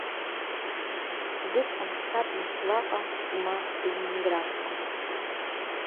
Убысҟан ҳцап Москваҟа, ма Ленинградҟа.